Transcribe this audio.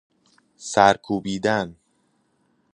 سر کوبیدن